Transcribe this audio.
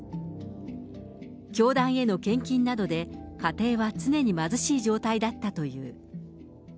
教団への献金などで、家庭は常に貧しい状態だったという。